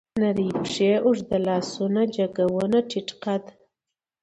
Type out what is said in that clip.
نرۍ پښې، اوږده لاسونه، جګه ونه، ټيټ قد